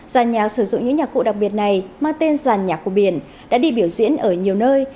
giàn nhạc sử dụng những nhà cụ đặc biệt này mang tên giàn nhạc của biển đã đi biểu diễn ở nhiều nơi